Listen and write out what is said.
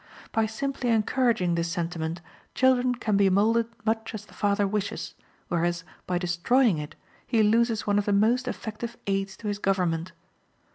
By simply encouraging this sentiment, children can be moulded much as the father wishes, whereas, by destroying it, he loses one of the most effective aids to his government.